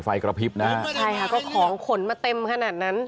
ไฟกระพริบนะฮะใช่ค่ะก็ของขนมาเต็มขนาดนั้น